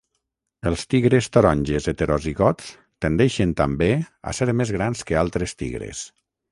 Els tigres taronges heterozigots tendeixen també a ser més grans que altres tigres.